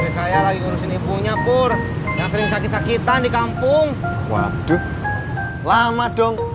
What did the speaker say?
saya lagi ngurusin ibunya kur yang sering sakit sakitan di kampung waduh lama dong